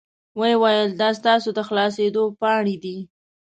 وې ویل دا ستاسو د خلاصیدو پاڼې دي.